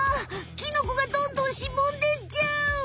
キノコがどんどんしぼんでっちゃう！